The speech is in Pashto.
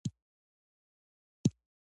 پښتانه د خپلو خلکو لپاره د پرمختګ لاره پرانیزي.